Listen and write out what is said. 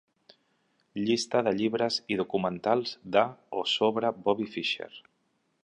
Llista de llibres i documentals de o sobre Bobby Fischer.